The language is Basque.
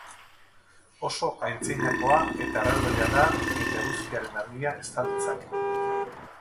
Oso antzinakoa eta erraldoia da eta eguzkiaren argia estal dezake.